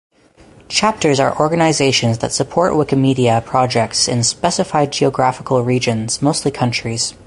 Chapters are organizations that support Wikimedia projects in specified geographical regions, mostly countries.